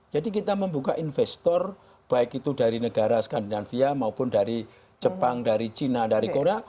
jadi kita membuka investor baik itu dari negara skandinavia maupun dari jepang dari china dari korea